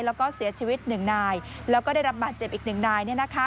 แล้วก็เสียชีวิต๑นายแล้วก็ได้รับบาดเจ็บอีก๑นาย